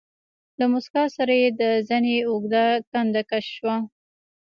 له موسکا سره يې د زنې اوږده کنده کش شوه.